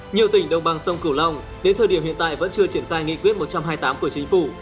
nhiều tỉnh đồng bằng sông cửu long đến thời điểm hiện tại vẫn chưa triển khai nghị quyết một trăm hai mươi tám của chính phủ